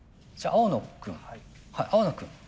青野君。